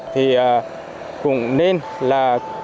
thì cũng nên là